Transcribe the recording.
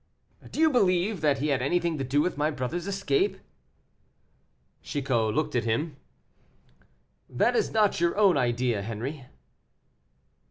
"Do you believe that he had anything to do with my brother's escape?" Chicot looked at him. "That is not your own idea, Henri."